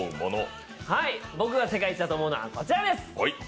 僕が世界一だと思うものはこちらです！